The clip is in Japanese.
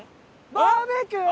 「バーベキュー」！